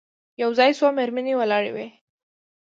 یو ځای څو مېرمنې ولاړې وې.